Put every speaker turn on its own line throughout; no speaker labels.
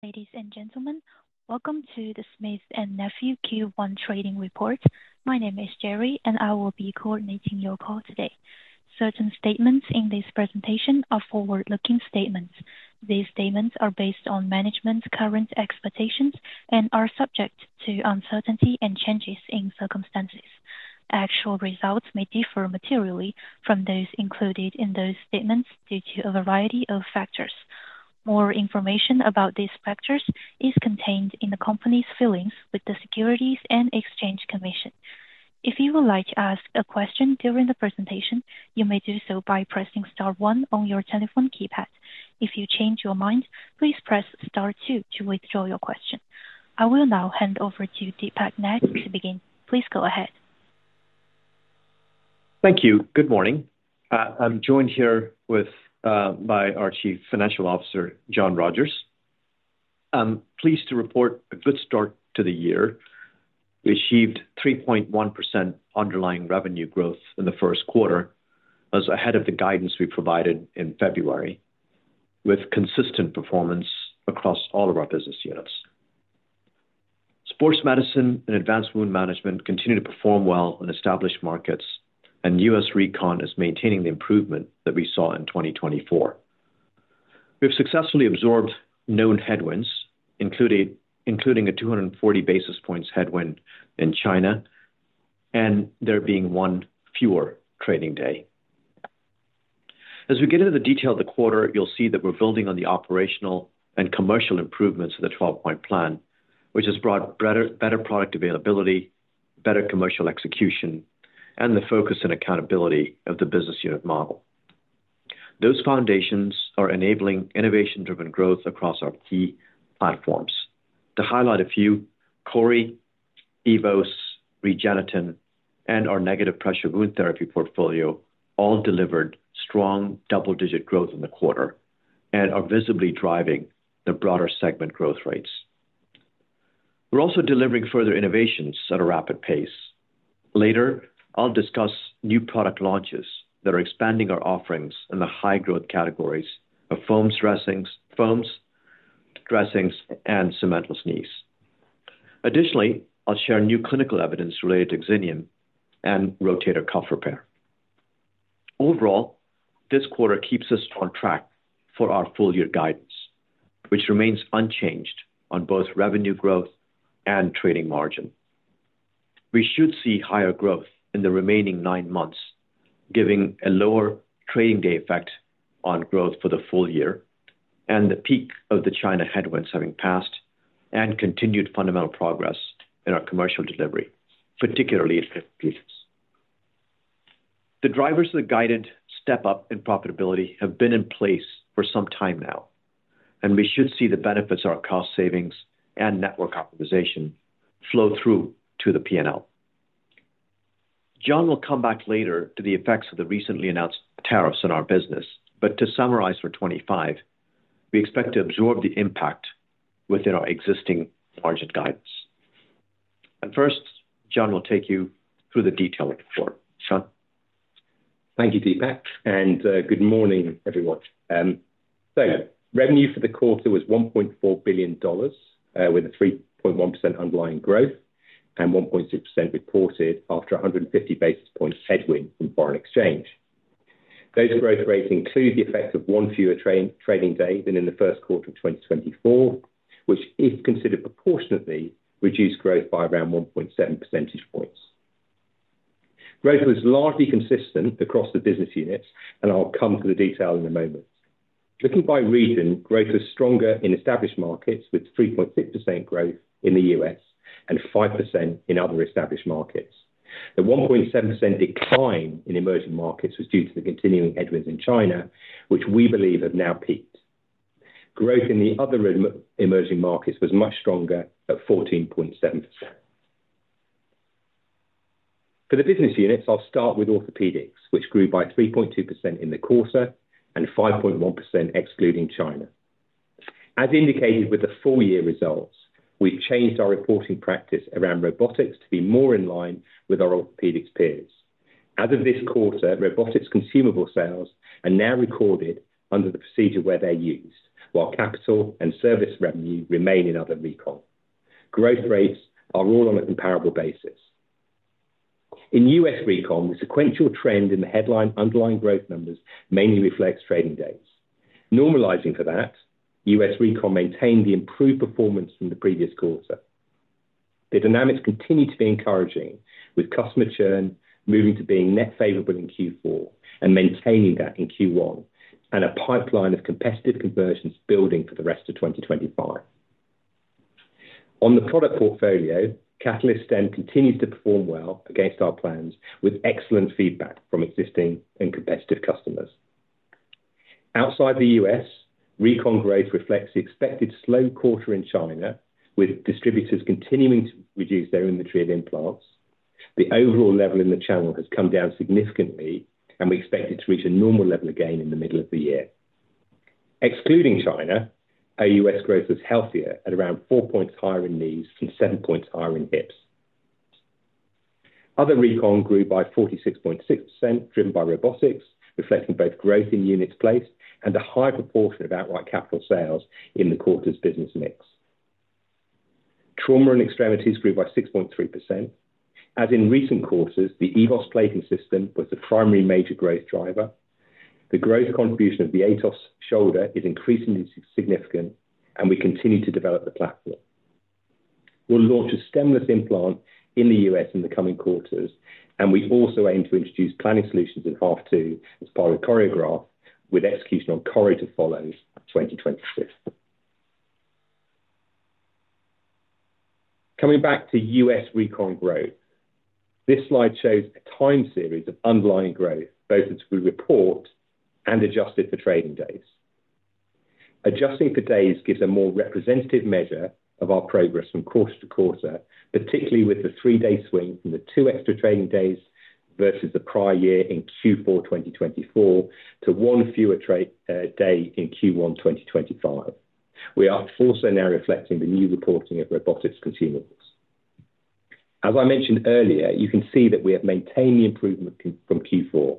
Ladies and gentlemen, welcome to the Smith & Nephew Q1 Trading Report. My name is Jerry, and I will be coordinating your call today. Certain statements in this presentation are forward-looking statements. These statements are based on management's current expectations and are subject to uncertainty and changes in circumstances. Actual results may differ materially from those included in those statements due to a variety of factors. More information about these factors is contained in the company's filings with the Securities and Exchange Commission. If you would like to ask a question during the presentation, you may do so by pressing Star 1 on your telephone keypad. If you change your mind, please press Star 2 to withdraw your question. I will now hand over to Deepak Nath to begin. Please go ahead.
Thank you. Good morning. I'm joined here with my Chief Financial Officer, John Rogers. I'm pleased to report a good start to the year. We achieved 3.1% underlying revenue growth in the first quarter as ahead of the guidance we provided in February, with consistent performance across all of our business units. Sports medicine and advanced wound management continue to perform well in established markets, and US recon is maintaining the improvement that we saw in 2024. We have successfully absorbed known headwinds, including a 240 basis points headwind in China and there being one fewer trading day. As we get into the detail of the quarter, you'll see that we're building on the operational and commercial improvements of the 12-point plan, which has brought better product availability, better commercial execution, and the focus and accountability of the business unit model. Those foundations are enabling innovation-driven growth across our key platforms. To highlight a few, Cori, Evos, REGENETEN, and our negative pressure wound therapy portfolio all delivered strong double-digit growth in the quarter and are visibly driving the broader segment growth rates. We're also delivering further innovations at a rapid pace. Later, I'll discuss new product launches that are expanding our offerings in the high-growth categories of foam dressings, foam dressings, and cementless knees. Additionally, I'll share new clinical evidence related to OXINIUM and rotator cuff repair. Overall, this quarter keeps us on track for our full-year guidance, which remains unchanged on both revenue growth and trading margin. We should see higher growth in the remaining nine months, giving a lower trading day effect on growth for the full year and the peak of the China headwinds having passed and continued fundamental progress in our commercial delivery, particularly in fifth quarters. The drivers of the guided step-up in profitability have been in place for some time now, and we should see the benefits of our cost savings and network optimization flow through to the P&L. John will come back later to the effects of the recently announced tariffs on our business, but to summarize for 2025, we expect to absorb the impact within our existing margin guidance. First, John will take you through the detail of the quarter. John.
Thank you, Deepak, and good morning, everyone. Revenue for the quarter was $1.4 billion, with 3.1% underlying growth and 1.6% reported after a 150 basis point headwind from foreign exchange. Those growth rates include the effect of one fewer trading day than in the first quarter of 2024, which, if considered proportionately, reduced growth by around 1.7 percentage points. Growth was largely consistent across the business units, and I'll come to the detail in a moment. Looking by region, growth was stronger in established markets, with 3.6% growth in the US and 5% in other established markets. The 1.7% decline in emerging markets was due to the continuing headwinds in China, which we believe have now peaked. Growth in the other emerging markets was much stronger at 14.7%. For the business units, I'll start with orthopedics, which grew by 3.2% in the quarter and 5.1% excluding China. As indicated with the full-year results, we've changed our reporting practice around robotics to be more in line with our orthopedics peers. As of this quarter, robotics consumable sales are now recorded under the procedure where they're used, while capital and service revenue remain in Other Recon. Growth rates are all on a comparable basis. In US Recon, the sequential trend in the headline underlying growth numbers mainly reflects trading days. Normalizing for that, US Recon maintained the improved performance from the previous quarter. The dynamics continue to be encouraging, with customer churn moving to being net favorable in Q4 and maintaining that in Q1 and a pipeline of competitive conversions building for the rest of 2025. On the product portfolio, Catalyst Stem continues to perform well against our plans, with excellent feedback from existing and competitive customers. Outside the U.S., Recon growth reflects the expected slow quarter in China, with distributors continuing to reduce their inventory of implants. The overall level in the channel has come down significantly, and we expect it to reach a normal level again in the middle of the year. Excluding China, our U.S. growth was healthier at around four points higher in knees and seven points higher in hips. Other recall grew by 46.6%, driven by robotics, reflecting both growth in units placed and a high proportion of outright capital sales in the quarter's business mix. Trauma and extremities grew by 6.3%. As in recent quarters, the Evos plating system was the primary major growth driver. The growth contribution of the Atos shoulder is increasingly significant, and we continue to develop the platform. We'll launch a stemless implant in the US in the coming quarters, and we also aim to introduce planning solutions in half two as part of Choreograph, with execution on Choreo to follow 2026. Coming back to US Recon growth, this slide shows a time series of underlying growth, both as we report and adjusted for trading days. Adjusting for days gives a more representative measure of our progress from quarter to quarter, particularly with the three-day swing from the two extra trading days versus the prior year in Q4 2024 to one fewer day in Q1 2025. We are also now reflecting the new reporting of robotics consumables. As I mentioned earlier, you can see that we have maintained the improvement from Q4.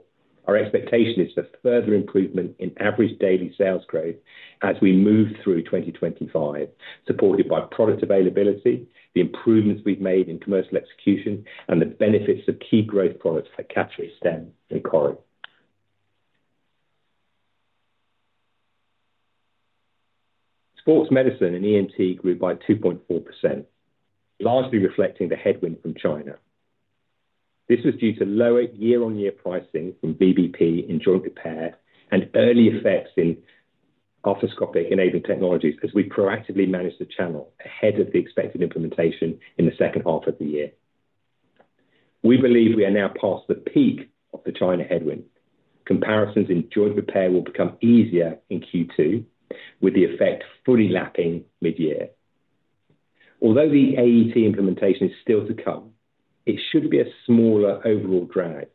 Our expectation is for further improvement in average daily sales growth as we move through 2025, supported by product availability, the improvements we've made in commercial execution, and the benefits of key growth products like Catalyst Stem and Cori. Sports medicine and ENT grew by 2.4%, largely reflecting the headwind from China. This was due to lower year-on-year pricing from BBP in joint repair and early effects in arthroscopic enabling technologies as we proactively managed the channel ahead of the expected implementation in the second half of the year. We believe we are now past the peak of the China headwind. Comparisons in joint repair will become easier in Q2, with the effect fully lapping mid-year. Although the AET implementation is still to come, it should be a smaller overall drag.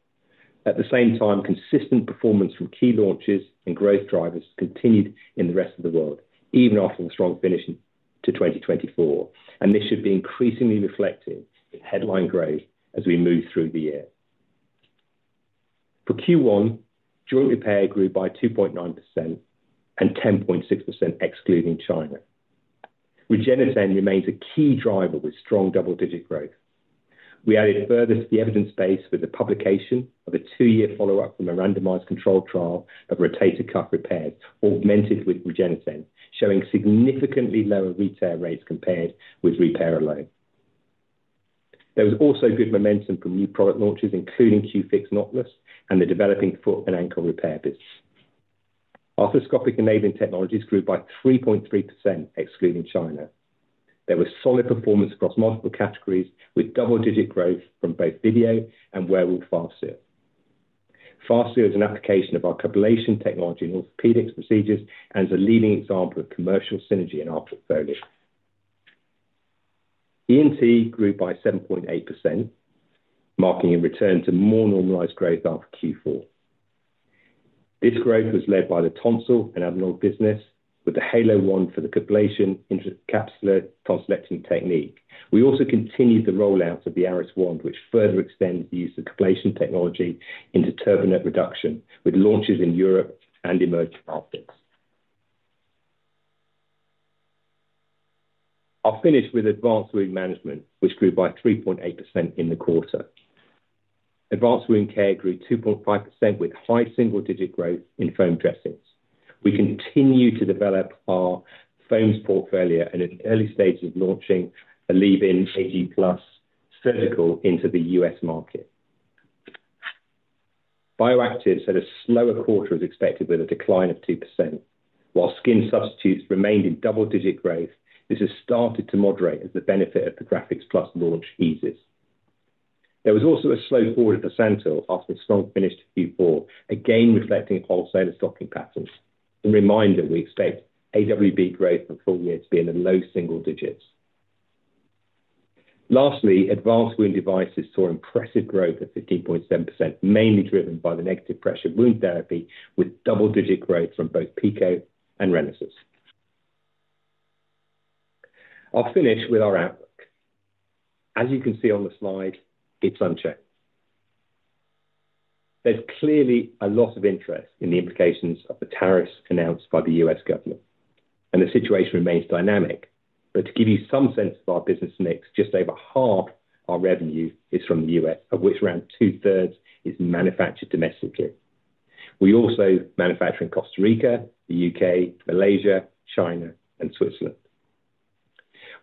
At the same time, consistent performance from key launches and growth drivers continued in the rest of the world, even after the strong finishing to 2024, and this should be increasingly reflected in headline growth as we move through the year. For Q1, joint repair grew by 2.9% and 10.6% excluding China. REGENETEN remains a key driver with strong double-digit growth. We added further to the evidence base with the publication of a two-year follow-up from a randomized control trial of rotator cuff repairs augmented with REGENETEN, showing significantly lower re-tear rates compared with repair alone. There was also good momentum from new product launches, including Q-FIX knotless and the developing foot and ankle repair business. Arthroscopic enabling technologies grew by 3.3% excluding China. There was solid performance across multiple categories with double-digit growth from both video and Werewolf FastSeal. FastSeal is an application of our coblation technology in orthopedics procedures and is a leading example of commercial synergy in our portfolio. ENT grew by 7.8%, marking a return to more normalized growth after Q4. This growth was led by the tonsil and adenoid business with the HaloOne for the coblation intracapsular tonsillectomy technique. We also continued the rollout of the ArisOne, which further extends the use of coblation technology into turbinate reduction with launches in Europe and emerging markets. I'll finish with advanced wound management, which grew by 3.8% in the quarter. Advanced wound care grew 2.5% with high single-digit growth in foam dressings. We continue to develop our foams portfolio and in early stages of launching a Leave-In AG Plus surgical into the US market. BioActives had a slower quarter as expected with a decline of 2%. While skin substitutes remained in double-digit growth, this has started to moderate as the benefit of the Grafix PL launch eases. There was also a slow fall to the Santyl after the strong finish to Q4, again reflecting wholesale stocking patterns. A reminder, we expect AWB growth for the full year to be in the low single digits. Lastly, advanced wound devices saw impressive growth at 15.7%, mainly driven by the negative pressure wound therapy with double-digit growth from both PICO and RENASYS. I'll finish with our outlook. As you can see on the slide, it's unchanged. There is clearly a lot of interest in the implications of the tariffs announced by the US government, and the situation remains dynamic. To give you some sense of our business mix, just over half our revenue is from the US, of which around two-thirds is manufactured domestically. We also manufacture in Costa Rica, the U.K., Malaysia, China, and Switzerland.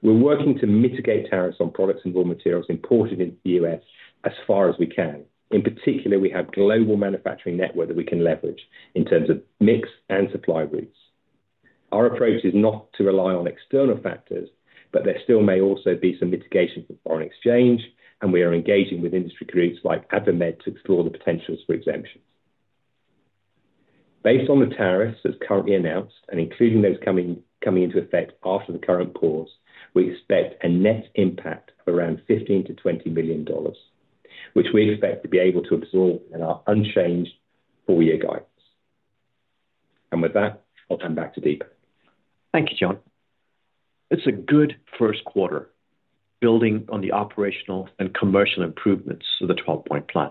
We're working to mitigate tariffs on products and raw materials imported into the U.S. as far as we can. In particular, we have a global manufacturing network that we can leverage in terms of mix and supply routes. Our approach is not to rely on external factors, but there still may also be some mitigation from foreign exchange, and we are engaging with industry groups like AdvaMed to explore the potentials for exemptions. Based on the tariffs that's currently announced and including those coming into effect after the current pause, we expect a net impact of around $15-$20 million, which we expect to be able to absorb in our unchanged full-year guidance. With that, I'll come back to Deepak.
Thank you, John. It's a good first quarter, building on the operational and commercial improvements of the 12-point plan.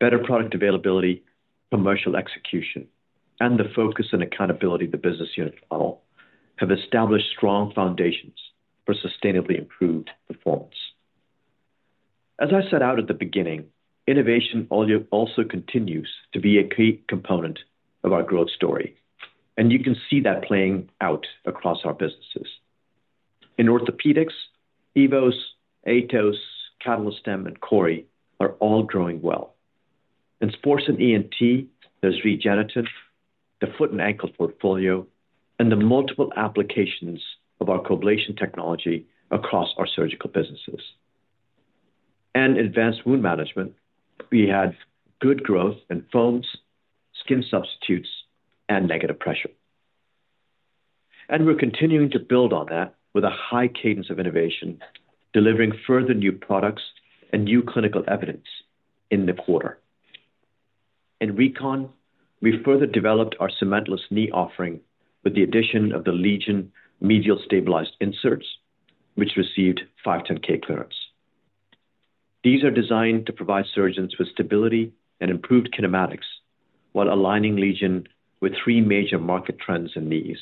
Better product availability, commercial execution, and the focus and accountability of the business unit model have established strong foundations for sustainably improved performance. As I set out at the beginning, innovation also continues to be a key component of our growth story, and you can see that playing out across our businesses. In orthopedics, Evos, Atos, Catalyst Stem, and Cori are all growing well. In sports and ENT, there's REGENETEN, the foot and ankle portfolio, and the multiple applications of our coblation technology across our surgical businesses. In advanced wound management, we had good growth in foams, skin substitutes, and negative pressure. We're continuing to build on that with a high cadence of innovation, delivering further new products and new clinical evidence in the quarter. In recon, we further developed our cementless knee offering with the addition of the Legion medial stabilized inserts, which received 510(k) clearance. These are designed to provide surgeons with stability and improved kinematics while aligning Legion with three major market trends in knees: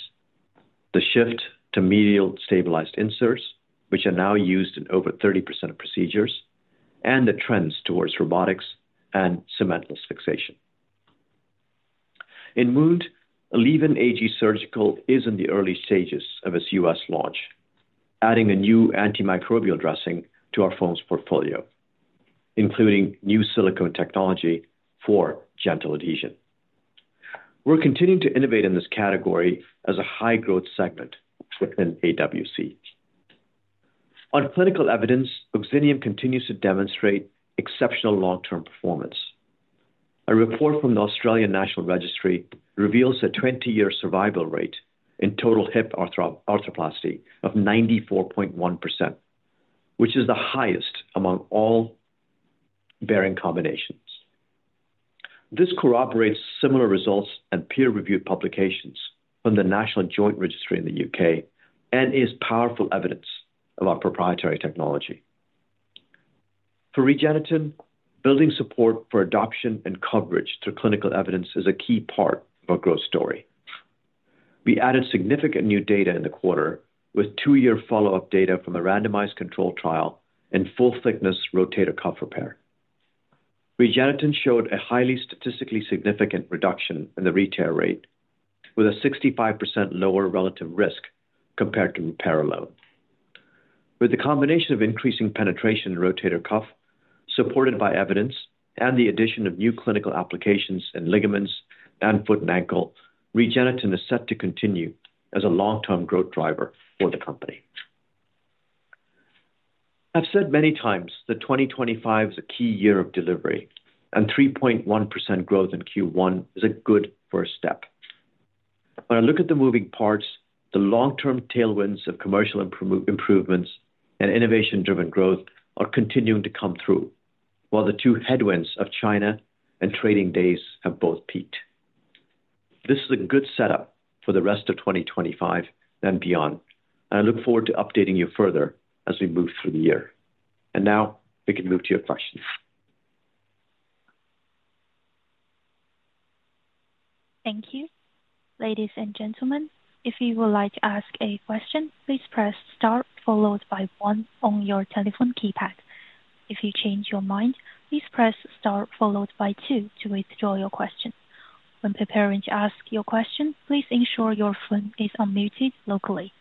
the shift to medial stabilized inserts, which are now used in over 30% of procedures, and the trends towards robotics and cementless fixation. In wound, Leave-In AG Surgical is in the early stages of its US launch, adding a new antimicrobial dressing to our foams portfolio, including new silicone technology for gentle adhesion. We're continuing to innovate in this category as a high-growth segment within AWC. On clinical evidence, OXINIUM continues to demonstrate exceptional long-term performance. A report from the Australian National Registry reveals a 20-year survival rate in total hip arthroplasty of 94.1%, which is the highest among all bearing combinations. This corroborates similar results and peer-reviewed publications from the National Joint Registry in the U.K. and is powerful evidence of our proprietary technology. For REGENETEN, building support for adoption and coverage through clinical evidence is a key part of our growth story. We added significant new data in the quarter with two-year follow-up data from a randomized control trial in full-thickness rotator cuff repair. REGENETEN showed a highly statistically significant reduction in the re-tear rate, with a 65% lower relative risk compared to repair alone. With the combination of increasing penetration in rotator cuff, supported by evidence and the addition of new clinical applications in ligaments and foot and ankle, REGENETEN is set to continue as a long-term growth driver for the company. I've said many times that 2025 is a key year of delivery, and 3.1% growth in Q1 is a good first step. When I look at the moving parts, the long-term tailwinds of commercial improvements and innovation-driven growth are continuing to come through, while the two headwinds of China and trading days have both peaked. This is a good setup for the rest of 2025 and beyond. I look forward to updating you further as we move through the year. Now we can move to your questions.
Thank you. Ladies and gentlemen, if you would like to ask a question, please press Star followed by 1 on your telephone keypad. If you change your mind, please press Star followed by 2 to withdraw your question. When preparing to ask your question, please ensure your phone is unmuted locally.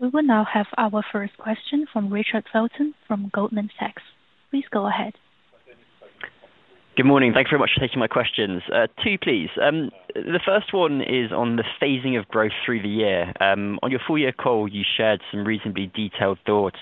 We will now have our first question from Richard Felton from Goldman Sachs. Please go ahead.
Good morning. Thanks very much for taking my questions. Two, please. The first one is on the phasing of growth through the year. On your full-year call, you shared some reasonably detailed thoughts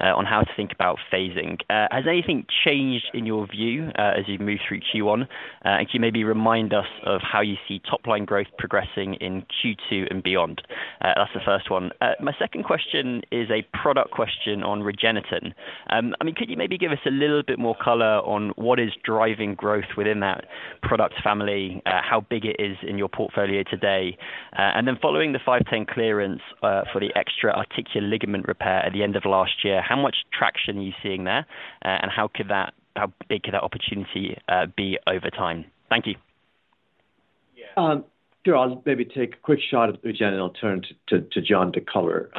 on how to think about phasing. Has anything changed in your view as you move through Q1? Can you maybe remind us of how you see top-line growth progressing in Q2 and beyond? That's the first one. My second question is a product question on REGENETEN. I mean, could you maybe give us a little bit more color on what is driving growth within that product family, how big it is in your portfolio today? Following the 510(k) clearance for the extra articular ligament repair at the end of last year, how much traction are you seeing there, and how big could that opportunity be over time? Thank you.
Yeah. Sure. I'll maybe take a quick shot at the REGENETEN. I'll turn to John to color.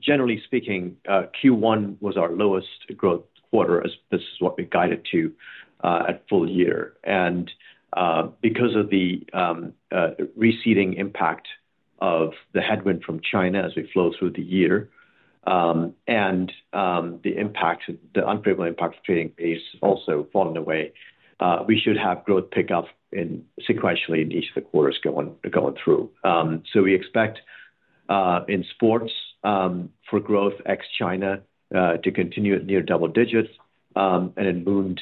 Generally speaking, Q1 was our lowest growth quarter as this is what we guided to at full year. Because of the receding impact of the headwind from China as we flow through the year and the unfavorable impact of trading pace also falling away, we should have growth pick up sequentially in each of the quarters going through. We expect in sports for growth ex-China to continue at near double digits and in wound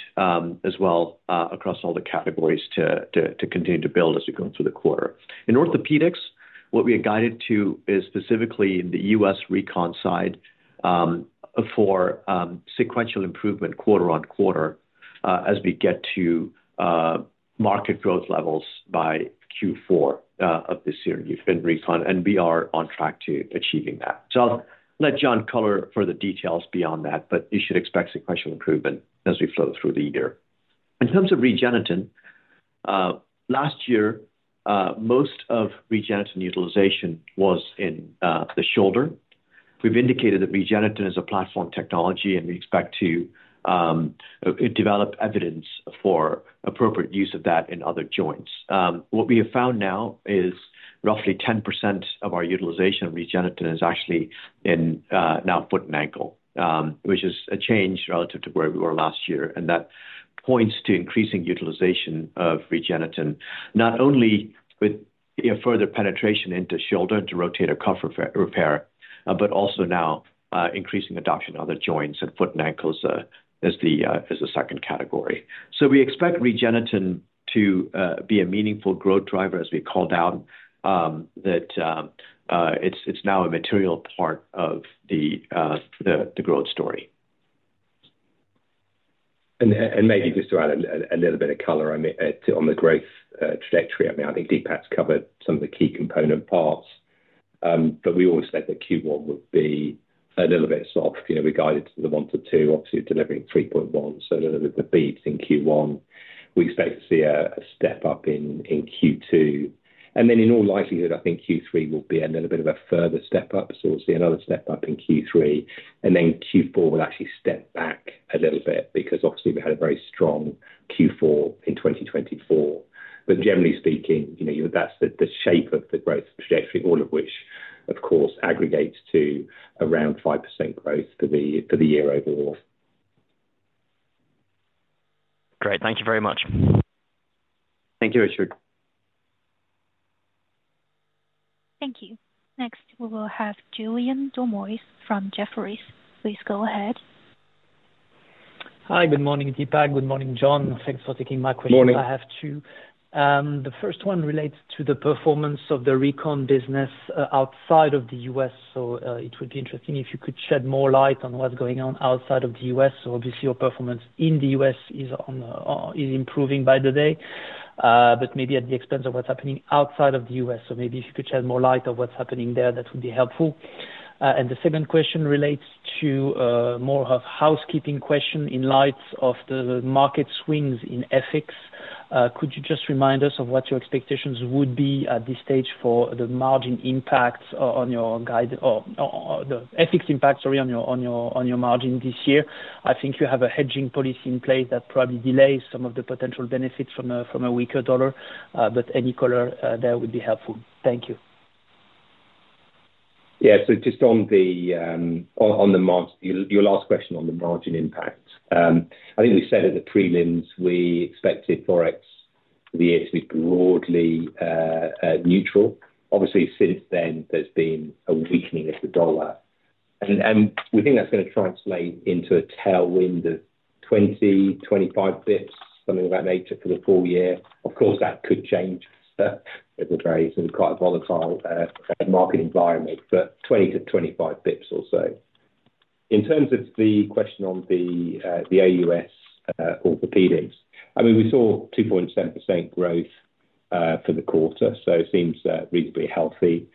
as well across all the categories to continue to build as we go through the quarter. In orthopedics, what we are guided to is specifically in the US recon side for sequential improvement quarter on quarter as we get to market growth levels by Q4 of this year. You've been recon, and we are on track to achieving that. I'll let John color further details beyond that, but you should expect sequential improvement as we flow through the year. In terms of REGENETEN, last year, most of REGENETEN utilization was in the shoulder. We've indicated that REGENETEN is a platform technology, and we expect to develop evidence for appropriate use of that in other joints. What we have found now is roughly 10% of our utilization of REGENETEN is actually in now foot and ankle, which is a change relative to where we were last year. That points to increasing utilization of REGENETEN, not only with further penetration into shoulder and to rotator cuff repair, but also now increasing adoption of other joints and foot and ankles as the second category. We expect REGENETEN to be a meaningful growth driver as we called out that it's now a material part of the growth story.
Maybe just to add a little bit of color on the growth trajectory, I mean, I think Deepak's covered some of the key component parts, but we always said that Q1 would be a little bit soft. We guided to the 1-2, obviously delivering 3.1, so a little bit of a beat in Q1. We expect to see a step up in Q2. In all likelihood, I think Q3 will be a little bit of a further step up, so we'll see another step up in Q3. Q4 will actually step back a little bit because obviously we had a very strong Q4 in 2024. Generally speaking, that's the shape of the growth trajectory, all of which, of course, aggregates to around 5% growth for the year overall.
Great. Thank you very much.
Thank you, Richard.
Thank you. Next, we will have Julien Dormois from Jefferies. Please go ahead.
Hi. Good morning, Deepak. Good morning, John. Thanks for taking my question.
Morning.
I have two. The first one relates to the performance of the recon business outside of the US. It would be interesting if you could shed more light on what's going on outside of the US. Obviously, your performance in the US is improving by the day, but maybe at the expense of what's happening outside of the US. Maybe if you could shed more light on what's happening there, that would be helpful. The second question relates to more of a housekeeping question in light of the market swings in FX. Could you just remind us of what your expectations would be at this stage for the margin impacts on your guide or the FX impacts, sorry, on your margin this year? I think you have a hedging policy in place that probably delays some of the potential benefits from a weaker dollar, but any color there would be helpful. Thank you.
Yeah. Just on the margin, your last question on the margin impact, I think we said at the prelims we expected Forex for the year to be broadly neutral. Obviously, since then, there has been a weakening of the dollar. We think that is going to translate into a tailwind of 20-25 basis points, something of that nature for the full year. Of course, that could change over the days. It is quite a volatile market environment, but 20-25 basis points or so. In terms of the question on the AUS orthopaedics, I mean, we saw 2.7% growth for the quarter, so it seems reasonably healthy.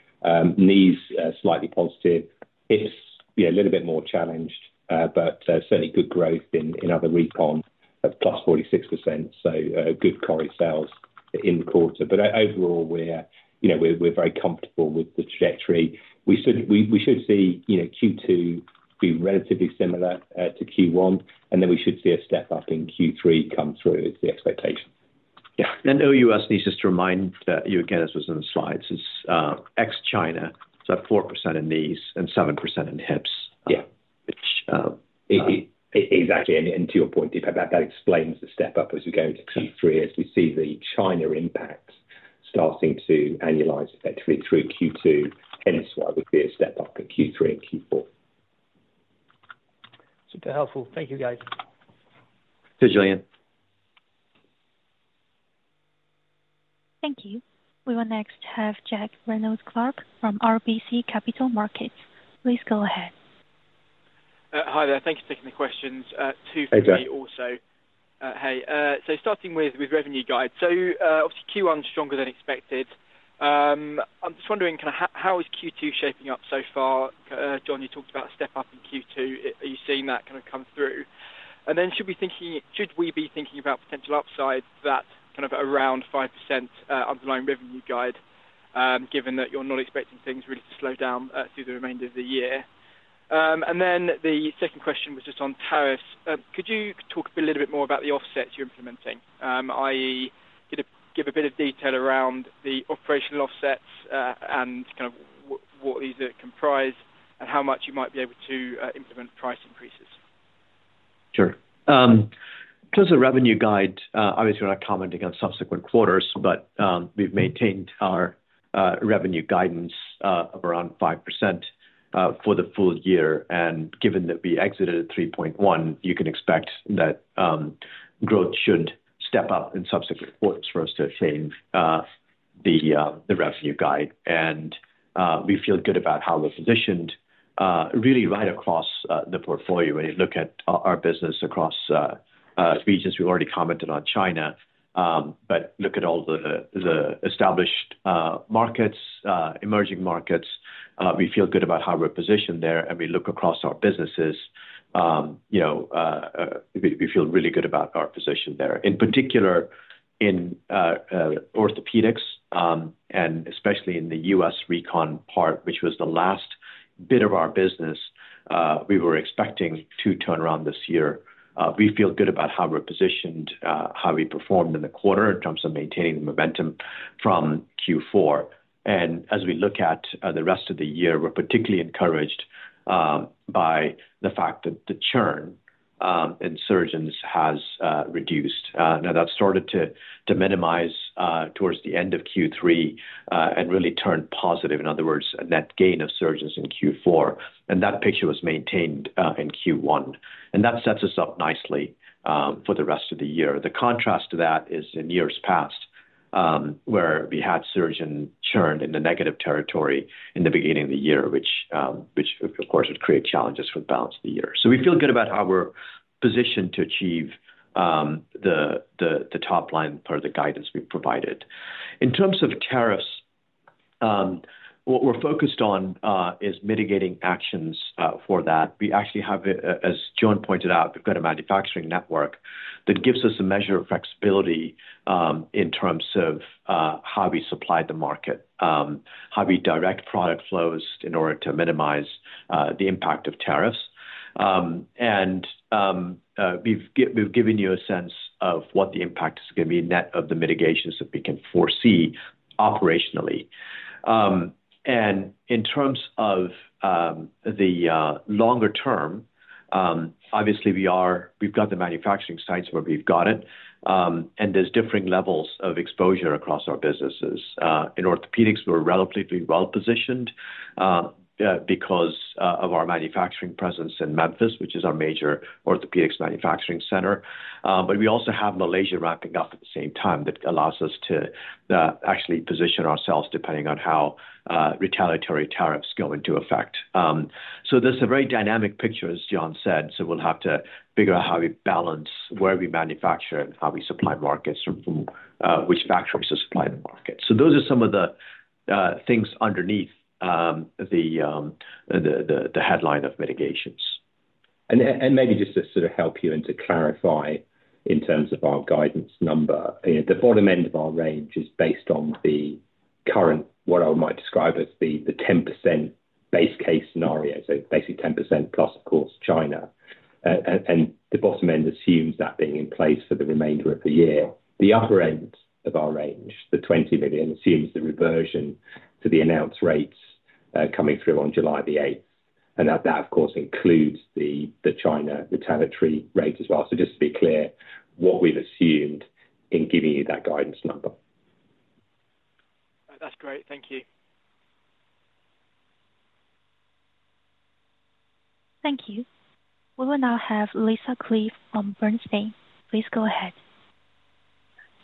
Knees are slightly positive. Hips, yeah, a little bit more challenged, but certainly good growth in other recon of plus 46%. Good Cori sales in the quarter. Overall, we are very comfortable with the trajectory. We should see Q2 be relatively similar to Q1, and then we should see a step up in Q3 come through. It's the expectation.
Yeah. AUS needs just to remind you again, as was in the slides, is ex-China, so 4% in knees and 7% in hips.
Yeah. Exactly. To your point, Deepak, that explains the step up as we go into Q3 as we see the China impact starting to annualize effectively through Q2. Hence why we see a step up in Q3 and Q4.
Super helpful. Thank you, guys.
Thank you, Julien.
Thank you. We will next have Jack Reynolds Clark from RBC Capital Markets. Please go ahead.
Hi there. Thank you for taking the questions.
Hey, Jack.
Too for me also. Hey. Starting with revenue guide. Obviously, Q1 stronger than expected. I'm just wondering, kind of how is Q2 shaping up so far? John, you talked about a step up in Q2. Are you seeing that kind of come through? Should we be thinking about potential upside for that kind of around 5% underlying revenue guide, given that you're not expecting things really to slow down through the remainder of the year? The second question was just on tariffs. Could you talk a little bit more about the offsets you're implementing, i.e., give a bit of detail around the operational offsets and kind of what these comprise and how much you might be able to implement price increases?
Sure. In terms of revenue guide, obviously, we're not commenting on subsequent quarters, but we've maintained our revenue guidance of around 5% for the full year. Given that we exited at 3.1%, you can expect that growth should step up in subsequent quarters for us to attain the revenue guide. We feel good about how we're positioned, really right across the portfolio when you look at our business across regions. We've already commented on China, but look at all the established markets, emerging markets. We feel good about how we're positioned there. We look across our businesses, we feel really good about our position there. In particular, in orthopedics, and especially in the US recon part, which was the last bit of our business, we were expecting to turn around this year. We feel good about how we're positioned, how we performed in the quarter in terms of maintaining the momentum from Q4. As we look at the rest of the year, we're particularly encouraged by the fact that the churn in surgeons has reduced. Now, that started to minimize towards the end of Q3 and really turned positive. In other words, a net gain of surgeons in Q4. That picture was maintained in Q1. That sets us up nicely for the rest of the year. The contrast to that is in years past where we had surgeon churn in the negative territory in the beginning of the year, which, of course, would create challenges for the balance of the year. We feel good about how we're positioned to achieve the top line for the guidance we've provided. In terms of tariffs, what we're focused on is mitigating actions for that. We actually have, as John pointed out, we've got a manufacturing network that gives us a measure of flexibility in terms of how we supply the market, how we direct product flows in order to minimize the impact of tariffs. We have given you a sense of what the impact is going to be net of the mitigations that we can foresee operationally. In terms of the longer term, obviously, we've got the manufacturing sites where we've got it, and there's differing levels of exposure across our businesses. In orthopedics, we're relatively well positioned because of our manufacturing presence in Memphis, which is our major orthopedics manufacturing center. We also have Malaysia wrapping up at the same time that allows us to actually position ourselves depending on how retaliatory tariffs go into effect. There is a very dynamic picture, as John said, so we will have to figure out how we balance where we manufacture and how we supply markets from which factories to supply the market. Those are some of the things underneath the headline of mitigations.
Maybe just to sort of help you and to clarify in terms of our guidance number, the bottom end of our range is based on the current, what I might describe as the 10% base case scenario. Basically 10% plus, of course, China. The bottom end assumes that being in place for the remainder of the year. The upper end of our range, the $20 million, assumes the reversion to the announced rates coming through on July the 8th. That, of course, includes the China retaliatory rate as well. Just to be clear, what we've assumed in giving you that guidance number.
That's great. Thank you.
Thank you. We will now have Lisa Clive from Bernstein. Please go ahead.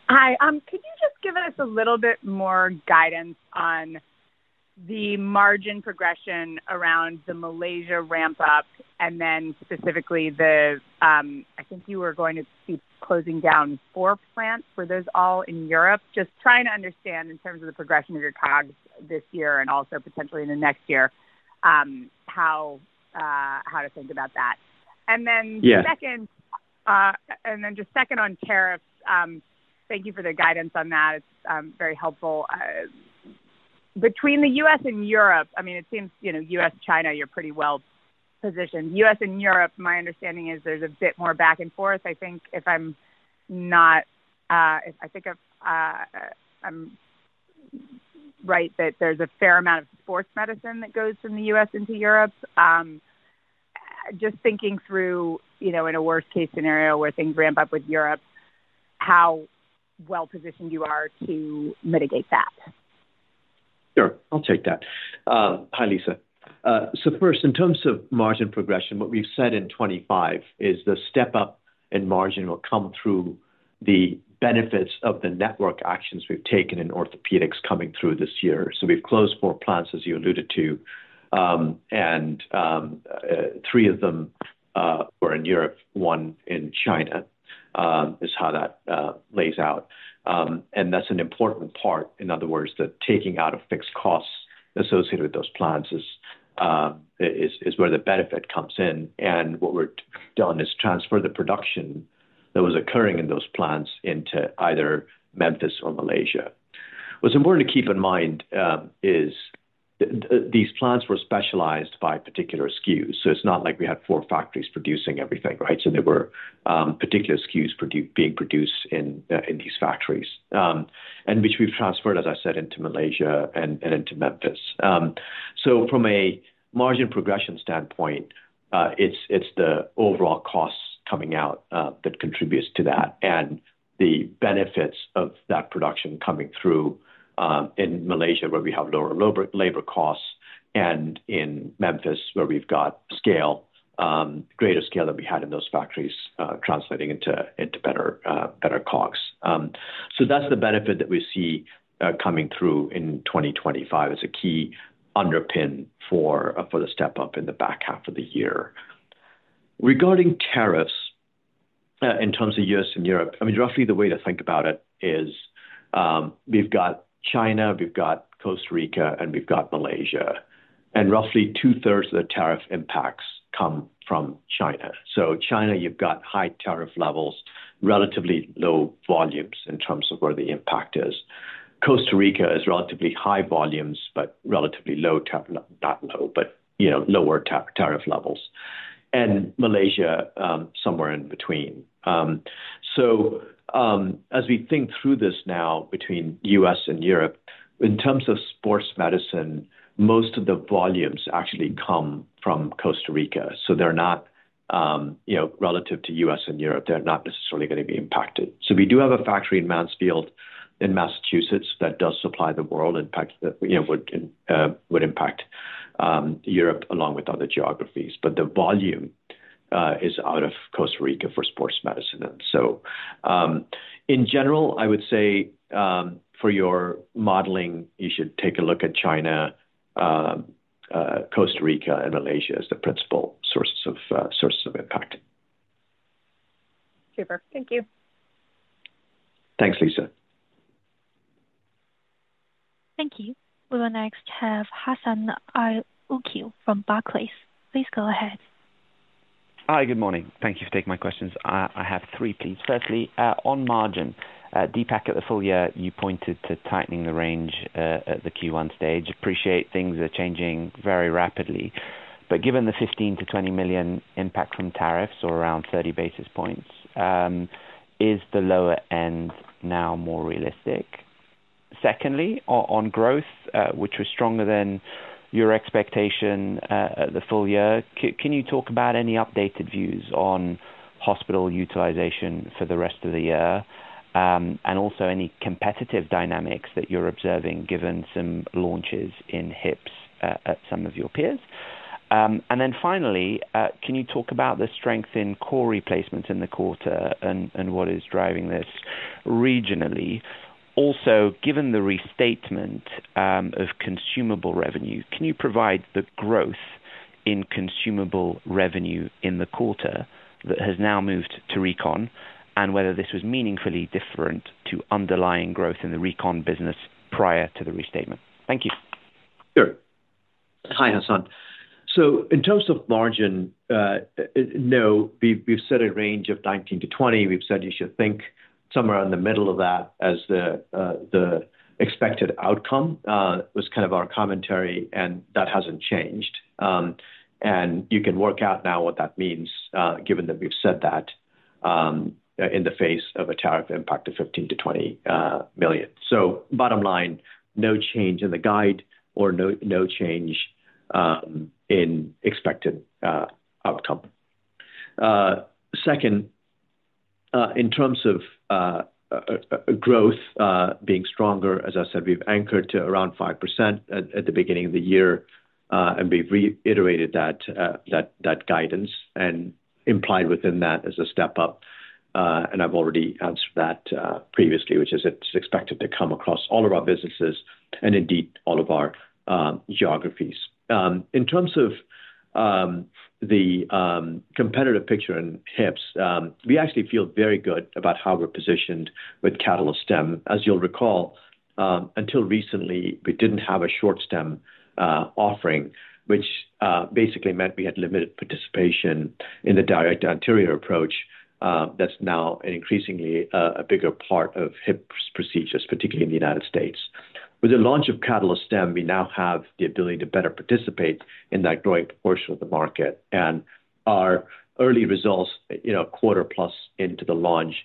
Hi. Could you just give us a little bit more guidance on the margin progression around the Malaysia ramp-up and then specifically the, I think you were going to be closing down four plants, are those all in Europe? Just trying to understand in terms of the progression of your COGS this year and also potentially in the next year, how to think about that. Then just second on tariffs, thank you for the guidance on that. It's very helpful. Between the US and Europe, I mean, it seems US, China, you're pretty well positioned. US and Europe, my understanding is there's a bit more back and forth. I think if I'm right that there's a fair amount of sports medicine that goes from the US into Europe. Just thinking through, in a worst-case scenario where things ramp up with Europe, how well positioned you are to mitigate that.
Sure. I'll take that. Hi, Lisa. First, in terms of margin progression, what we've said in 2025 is the step up in margin will come through the benefits of the network actions we've taken in orthopedics coming through this year. We've closed four plants, as you alluded to, and three of them were in Europe, one in China is how that lays out. That's an important part. In other words, the taking out of fixed costs associated with those plants is where the benefit comes in. What we've done is transfer the production that was occurring in those plants into either Memphis or Malaysia. What's important to keep in mind is these plants were specialized by particular SKUs. It's not like we had four factories producing everything, right? There were particular SKUs being produced in these factories, which we have transferred, as I said, into Malaysia and into Memphis. From a margin progression standpoint, it is the overall costs coming out that contributes to that and the benefits of that production coming through in Malaysia, where we have lower labor costs, and in Memphis, where we have scale, greater scale than we had in those factories, translating into better COGS. That is the benefit that we see coming through in 2025 as a key underpin for the step up in the back half of the year. Regarding tariffs, in terms of US and Europe, I mean, roughly the way to think about it is we have China, we have Costa Rica, and we have Malaysia. Roughly two-thirds of the tariff impacts come from China. China, you've got high tariff levels, relatively low volumes in terms of where the impact is. Costa Rica is relatively high volumes, but relatively low, not low, but lower tariff levels. Malaysia, somewhere in between. As we think through this now between US and Europe, in terms of sports medicine, most of the volumes actually come from Costa Rica. They're not, relative to US and Europe, they're not necessarily going to be impacted. We do have a factory in Mansfield in Massachusetts that does supply the world and would impact Europe along with other geographies. The volume is out of Costa Rica for sports medicine. In general, I would say for your modeling, you should take a look at China, Costa Rica, and Malaysia as the principal sources of impact.
Super. Thank you.
Thanks, Lisa.
Thank you. We will next have Hassan Al-Wakeel from Barclays. Please go ahead.
Hi, good morning. Thank you for taking my questions. I have three, please. Firstly, on margin, Deepak at the full year, you pointed to tightening the range at the Q1 stage. Appreciate things are changing very rapidly. Given the $15-20 million impact from tariffs, or around 30 basis points, is the lower end now more realistic? Secondly, on growth, which was stronger than your expectation the full year, can you talk about any updated views on hospital utilization for the rest of the year? Also, any competitive dynamics that you're observing given some launches in hips at some of your peers? Finally, can you talk about the strength in core replacements in the quarter and what is driving this regionally? Also, given the restatement of consumable revenue, can you provide the growth in consumable revenue in the quarter that has now moved to recon and whether this was meaningfully different to underlying growth in the recon business prior to the restatement? Thank you.
Sure.
Hi, Hassan. In terms of margin, no, we've said a range of 19-20%. We've said you should think somewhere in the middle of that as the expected outcome was kind of our commentary, and that has not changed. You can work out now what that means given that we've said that in the face of a tariff impact of $15-20 million. Bottom line, no change in the guide or no change in expected outcome. Second, in terms of growth being stronger, as I said, we've anchored to around 5% at the beginning of the year, and we've reiterated that guidance and implied within that is a step up. I've already answered that previously, which is it's expected to come across all of our businesses and indeed all of our geographies. In terms of the competitive picture in HIPS, we actually feel very good about how we're positioned with Catalyst Stem. As you'll recall, until recently, we didn't have a short stem offering, which basically meant we had limited participation in the direct anterior approach that's now an increasingly bigger part of HIPS procedures, particularly in the United States. With the launch of Catalyst Stem, we now have the ability to better participate in that growing portion of the market. Our early results, a quarter plus into the launch,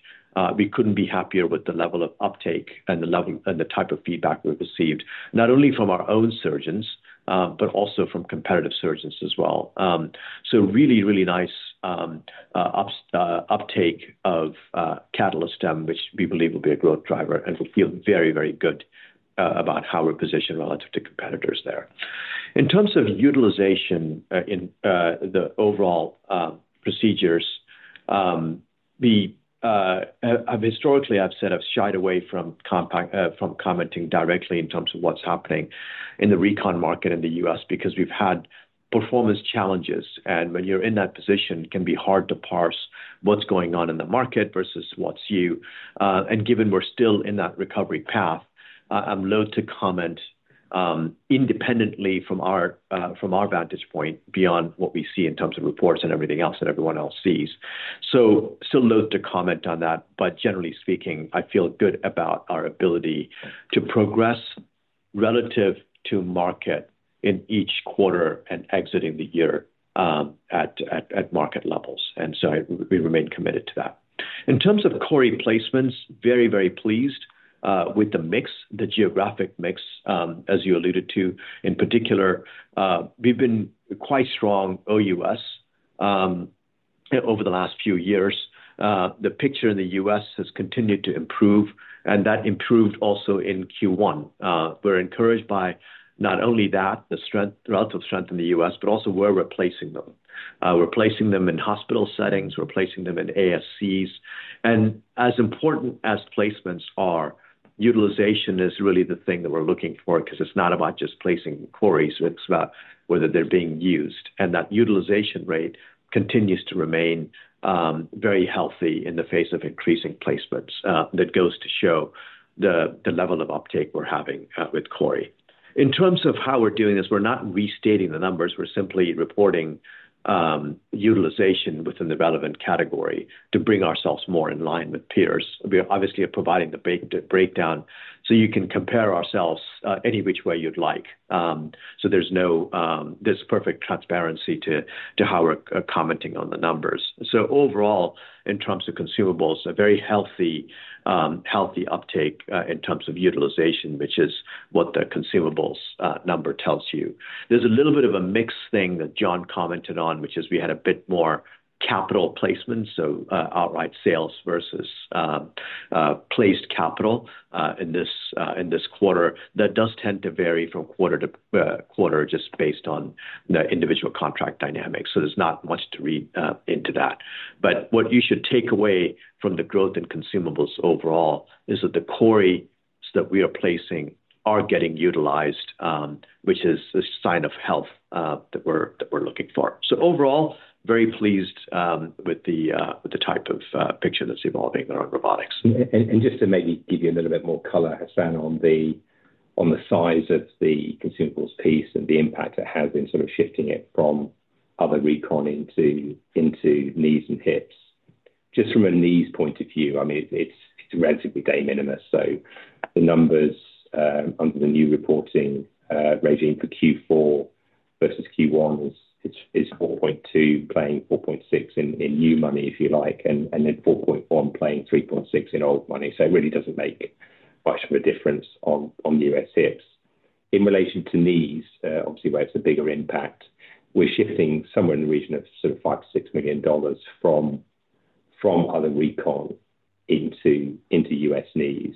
we couldn't be happier with the level of uptake and the type of feedback we've received, not only from our own surgeons, but also from competitive surgeons as well. Really, really nice uptake of Catalyst Stem, which we believe will be a growth driver and we feel very, very good about how we're positioned relative to competitors there. In terms of utilization in the overall procedures, we have historically, I've said, I've shied away from commenting directly in terms of what's happening in the recon market in the US because we've had performance challenges. When you're in that position, it can be hard to parse what's going on in the market versus what's new. Given we're still in that recovery path, I'm loath to comment independently from our vantage point beyond what we see in terms of reports and everything else that everyone else sees. Still loath to comment on that. Generally speaking, I feel good about our ability to progress relative to market in each quarter and exiting the year at market levels. We remain committed to that. In terms of core replacements, very, very pleased with the mix, the geographic mix, as you alluded to. In particular, we've been quite strong OUS over the last few years. The picture in the US has continued to improve, and that improved also in Q1. We're encouraged by not only that, the relative strength in the US, but also where we're placing them. We're placing them in hospital settings, we're placing them in ASCs. As important as placements are, utilization is really the thing that we're looking for because it's not about just placing Coris, it's about whether they're being used. That utilization rate continues to remain very healthy in the face of increasing placements. That goes to show the level of uptake we're having with Cori. In terms of how we're doing this, we're not restating the numbers. We're simply reporting utilization within the relevant category to bring ourselves more in line with peers. We obviously are providing the breakdown so you can compare ourselves any which way you'd like. There is no perfect transparency to how we're commenting on the numbers. Overall, in terms of consumables, a very healthy uptake in terms of utilization, which is what the consumables number tells you. There is a little bit of a mixed thing that John commented on, which is we had a bit more capital placements, so outright sales versus placed capital in this quarter. That does tend to vary from quarter to quarter just based on the individual contract dynamics. There is not much to read into that. What you should take away from the growth in consumables overall is that the core reasons that we are placing are getting utilized, which is a sign of health that we're looking for. Overall, very pleased with the type of picture that's evolving around robotics.
Just to maybe give you a little bit more color, Hassan, on the size of the consumables piece and the impact it has in sort of shifting it from other recon into knees and hips. Just from a knees point of view, I mean, it's relatively de minimis. The numbers under the new reporting regime for Q4 versus Q1 is 4.2, playing 4.6 in new money, if you like, and then 4.1 playing 3.6 in old money. It really doesn't make much of a difference on US hips. In relation to knees, obviously, where it's a bigger impact, we're shifting somewhere in the region of 5-6 million dollars from other recon into US knees.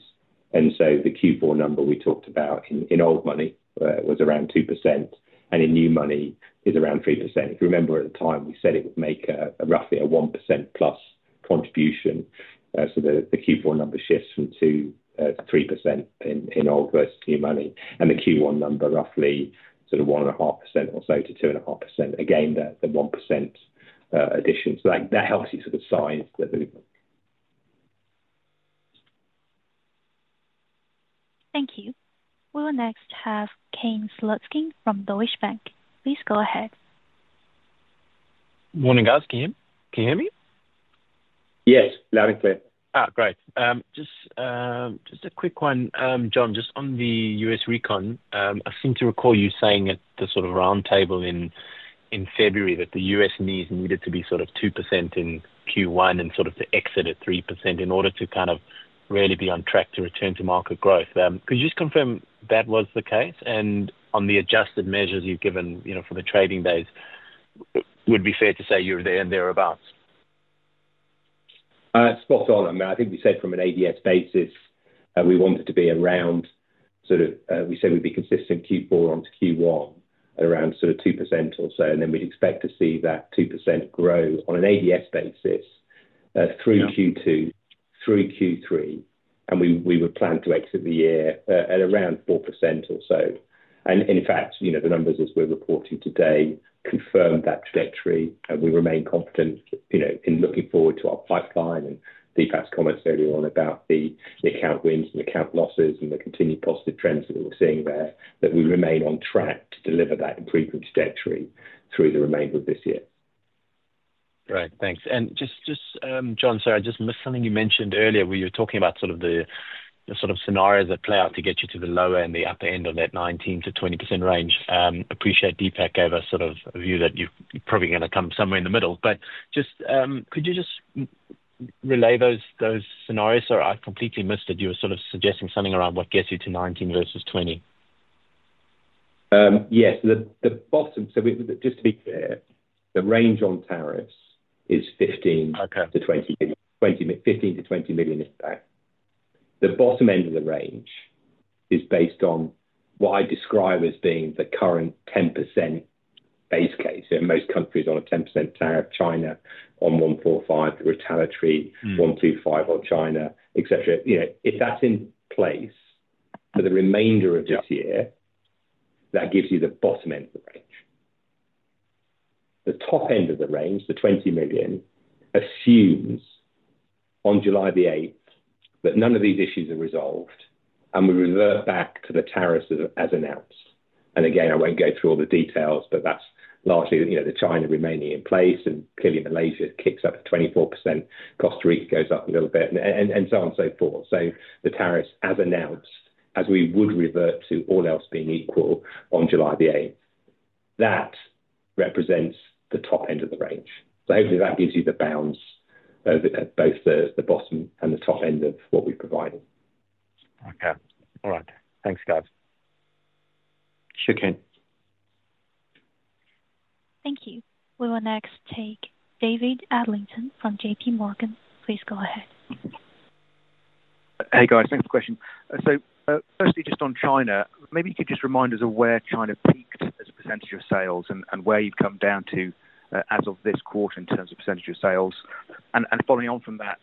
The Q4 number we talked about in old money was around 2%, and in new money is around 3%. If you remember at the time, we said it would make roughly a 1% plus contribution. The Q4 number shifts from 2-3% in old versus new money. The Q1 number, roughly sort of 1.5% or so to 2.5%. Again, the 1% addition. That helps you sort of size the.
Thank you. We will next have Kane Slutzkin from Deutsche Bank. Please go ahead.
Morning, guys. Can you hear me?
Yes, loud and clear.
Great. Just a quick one, John. Just on the US recon. I seem to recall you saying at the sort of roundtable in February that the US knees needed to be sort of 2% in Q1 and sort of to exit at 3% in order to kind of really be on track to return to market growth. Could you just confirm that was the case? On the adjusted measures you've given for the trading days, would it be fair to say you're there and thereabouts?
Spot on. I mean, I think we said from an ADS basis, we wanted to be around sort of we said we'd be consistent Q4 onto Q1 at around sort of 2% or so. We would expect to see that 2% grow on an ADS basis through Q2, through Q3. We would plan to exit the year at around 4% or so. In fact, the numbers as we're reporting today confirm that trajectory. We remain confident in looking forward to our pipeline and Deepak's comments earlier on about the account wins and account losses and the continued positive trends that we're seeing there, that we remain on track to deliver that improvement trajectory through the remainder of this year.
Great. Thanks. John, sorry, I just missed something you mentioned earlier where you were talking about the sort of scenarios that play out to get you to the lower and the upper end of that 19-20% range. I appreciate Deepak gave us a view that you're probably going to come somewhere in the middle. Could you just relay those scenarios? Sorry, I completely missed that you were suggesting something around what gets you to 19% versus 20%.
Yes. Just to be clear, the range on tariffs is $15 million-$20 million. $15 million-$20 million is that. The bottom end of the range is based on what I describe as being the current 10% base case. Most countries on a 10% tariff, China on 1.45%, the retaliatory 1.25% on China, etc. If that is in place for the remainder of this year, that gives you the bottom end of the range. The top end of the range, the $20 million, assumes on July 8 that none of these issues are resolved and we revert back to the tariffs as announced. Again, I will not go through all the details, but that is largely the China remaining in place. Clearly, Malaysia kicks up to 24%, Costa Rica goes up a little bit, and so on and so forth. The tariffs as announced, as we would revert to all else being equal on July 8, that represents the top end of the range. Hopefully that gives you the bounds of both the bottom and the top end of what we've provided.
Okay. All right. Thanks, guys.
Sure can.
Thank you. We will next take David Adlington from JP Morgan. Please go ahead.
Hey, guys. Thanks for the question. Firstly, just on China, maybe you could just remind us of where China peaked as a percentage of sales and where you've come down to as of this quarter in terms of percentage of sales. Following on from that,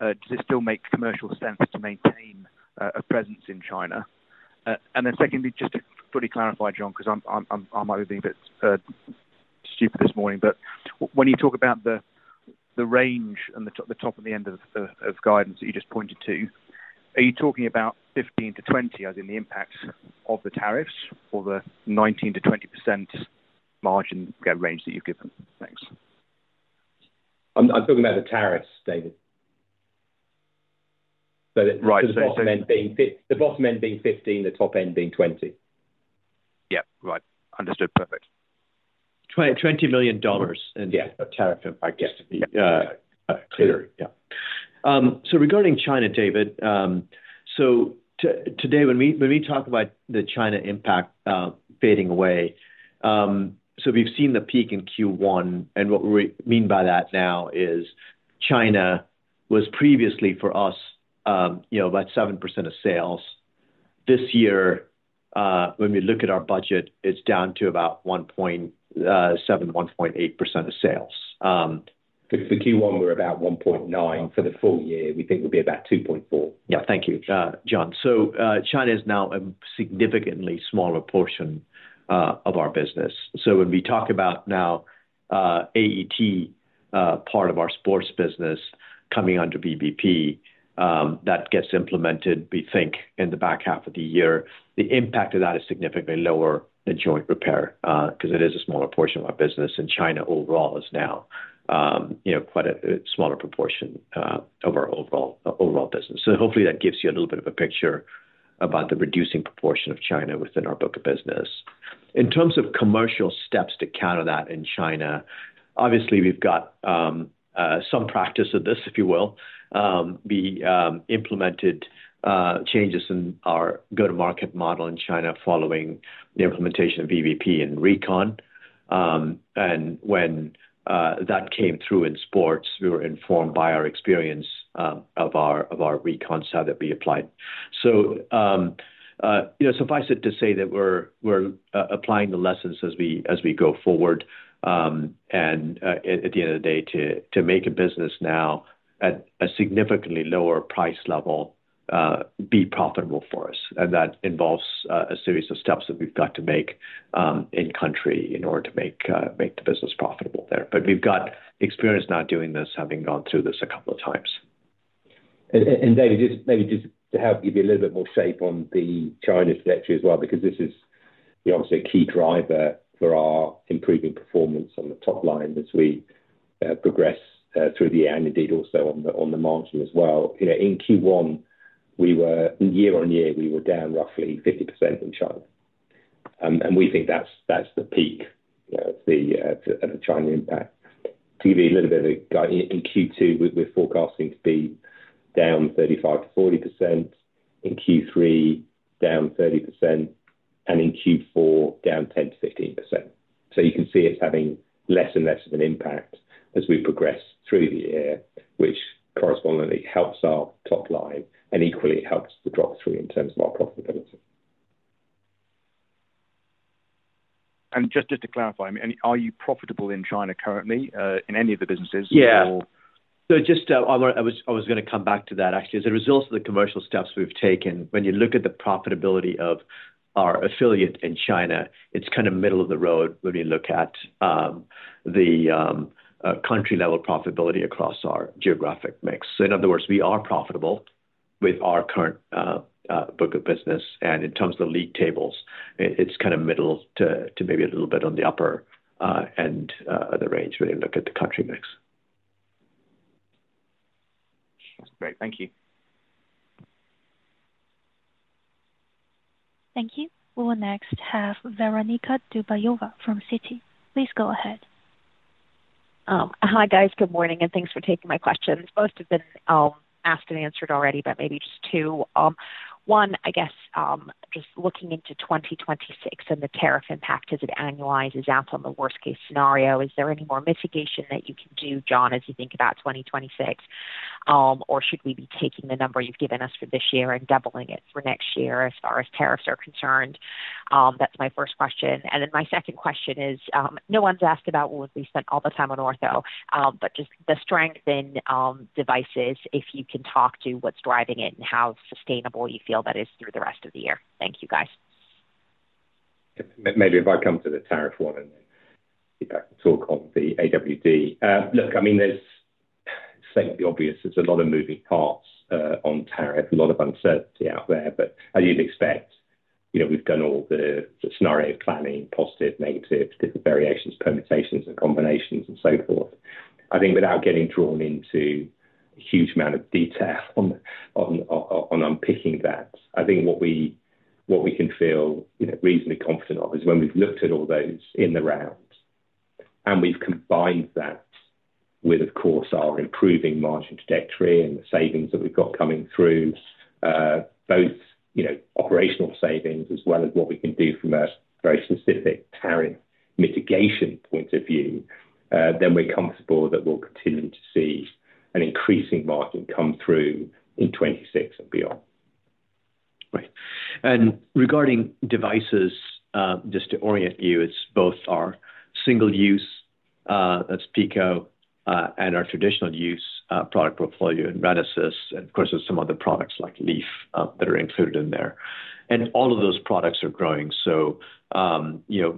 does it still make commercial sense to maintain a presence in China? Secondly, just to fully clarify, John, because I might be being a bit stupid this morning, when you talk about the range and the top and the end of guidance that you just pointed to, are you talking about 15%-20% as in the impact of the tariffs or the 19%-20% margin range that you've given? Thanks.
I'm talking about the tariffs, David. The bottom end being 15%, the top end being 20%.
Yeah. Right. Understood. Perfect.
$20 million in tariff impact,
just to be clear. Yeah.
Regarding China, David, today when we talk about the China impact fading away, we have seen the peak in Q1. What we mean by that now is China was previously for us about 7% of sales. This year, when we look at our budget, it is down to about 1.7-1.8% of sales.
The Q1, we're about 1.9. For the full year, we think we'll be about 2.4.
Yeah. Thank you, John. China is now a significantly smaller portion of our business. When we talk about now AET part of our sports business coming under BBP, that gets implemented, we think, in the back half of the year. The impact of that is significantly lower than joint repair because it is a smaller portion of our business. China overall is now quite a smaller proportion of our overall business. Hopefully that gives you a little bit of a picture about the reducing proportion of China within our book of business. In terms of commercial steps to counter that in China, obviously we've got some practice of this, if you will. We implemented changes in our go-to-market model in China following the implementation of BBP and recon. When that came through in sports, we were informed by our experience of our recon so that we applied. Suffice it to say that we're applying the lessons as we go forward. At the end of the day, to make a business now at a significantly lower price level, be profitable for us. That involves a series of steps that we've got to make in country in order to make the business profitable there. We've got experience now doing this, having gone through this a couple of times.
David, just maybe to help give you a little bit more shape on the China trajectory as well, because this is obviously a key driver for our improving performance on the top line as we progress through the year and indeed also on the margin as well. In Q1, year on year, we were down roughly 50% in China. We think that's the peak of the China impact. To give you a little bit of a guide, in Q2, we're forecasting to be down 35-40%. In Q3, down 30%. In Q4, down 10-15%. You can see it's having less and less of an impact as we progress through the year, which correspondently helps our top line and equally helps the drop through in terms of our profitability.
Just to clarify, are you profitable in China currently in any of the businesses?
Yeah. Just I was going to come back to that, actually. As a result of the commercial steps we've taken, when you look at the profitability of our affiliate in China, it's kind of middle of the road when you look at the country-level profitability across our geographic mix. In other words, we are profitable with our current book of business. In terms of the league tables, it's kind of middle to maybe a little bit on the upper end of the range when you look at the country mix.
That's great. Thank you.
Thank you. We will next have Veronika Dubajova from Citi. Please go ahead.
Hi, guys. Good morning. Thanks for taking my questions. Most have been asked and answered already, but maybe just two. One, I guess, just looking into 2026 and the tariff impact, as it annualizes out on the worst-case scenario, is there any more mitigation that you can do, John, as you think about 2026? Should we be taking the number you've given us for this year and doubling it for next year as far as tariffs are concerned? That's my first question. My second question is, no one's asked about what we spent all the time on ortho. Just the strength in devices, if you can talk to what's driving it and how sustainable you feel that is through the rest of the year. Thank you, guys.
Maybe if I come to the tariff one and then Deepak can talk on the AWD. Look, I mean, it's obvious there's a lot of moving parts on tariff, a lot of uncertainty out there. As you'd expect, we've done all the scenario planning, positive, negative, different variations, permutations, and combinations, and so forth. I think without getting drawn into a huge amount of detail on unpicking that, I think what we can feel reasonably confident of is when we've looked at all those in the round and we've combined that with, of course, our improving margin trajectory and the savings that we've got coming through, both operational savings as well as what we can do from a very specific tariff mitigation point of view, then we're comfortable that we'll continue to see an increasing margin come through in 2026 and beyond.
Right. Regarding devices, just to orient you, it's both our single-use, that's PICO, and our traditional use product portfolio and RENASYS. Of course, there are some other products like Leaf that are included in there. All of those products are growing.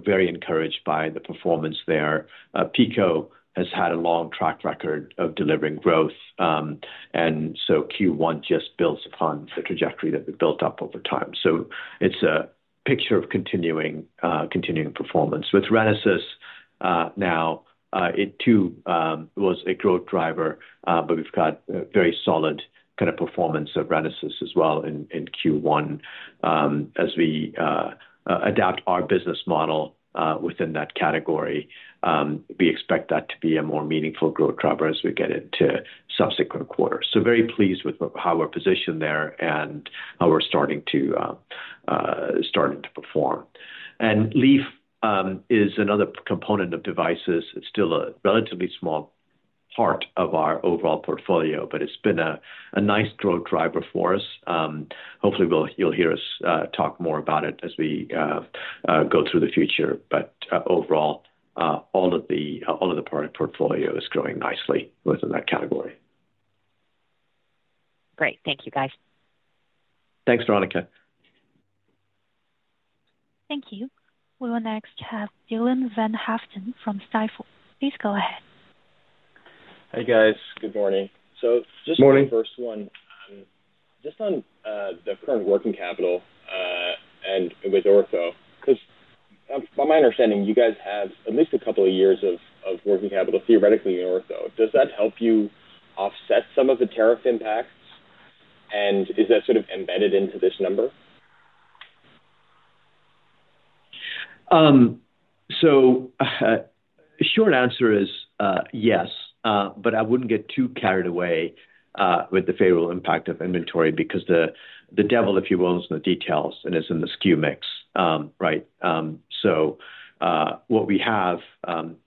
Very encouraged by the performance there. PICO has had a long track record of delivering growth. Q1 just builds upon the trajectory that we've built up over time. It's a picture of continuing performance. With RENASYS now, it too was a growth driver, but we've got very solid kind of performance of RENASYS as well in Q1 as we adapt our business model within that category. We expect that to be a more meaningful growth driver as we get into subsequent quarters. Very pleased with how we're positioned there and how we're starting to perform. Leaf is another component of devices. It's still a relatively small part of our overall portfolio, but it's been a nice growth driver for us. Hopefully, you'll hear us talk more about it as we go through the future. Overall, all of the product portfolio is growing nicely within that category.
Great. Thank you, guys.
Thanks, Veronica.
Thank you. We will next have Dylan VanHaaften from Stifel. Please go ahead.
Hey, guys. Good morning.
Just.Morning.
First one, just on the current working capital and with ortho. Because by my understanding, you guys have at least a couple of years of working capital theoretically in ortho. Does that help you offset some of the tariff impacts? Is that sort of embedded into this number?
Short answer is yes, but I would not get too carried away with the favorable impact of inventory because the devil, if you will, is in the details and is in the SKU mix. Right? What we have,